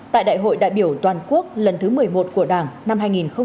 tại đại hội đại biểu toàn quốc lần thứ một mươi một của đảng năm hai nghìn hai mươi